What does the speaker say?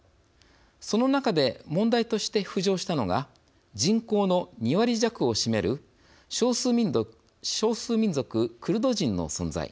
その中で問題として浮上したのが人口の２割弱を占める少数民族クルド人の存在。